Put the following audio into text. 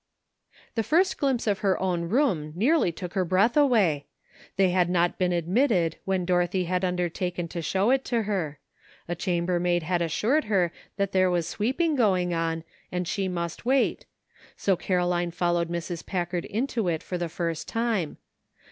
The first glimpse of her own room nearly took her breath away. They had not been ad mitted when Dorothy had undertaken to show it to her ; a chamber maid had assured her that there was sweeping going on, and she must wait, so Caroline followed Mrs. Packard into it for the first time.